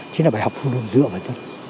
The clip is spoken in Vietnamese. chính là bài học phương đồng dựa vào dân